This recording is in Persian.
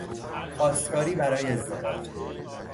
خواستگاری برای ازدواج